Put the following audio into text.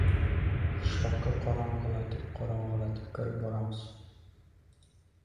Qishloqqa qorong‘ilatib-qorong‘ilatib kirib boramiz.